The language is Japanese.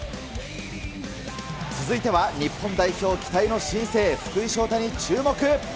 続いては日本代表期待の新星、福井しょうたに注目。